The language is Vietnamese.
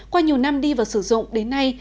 qua nhiều năm đi và sử dụng đến nay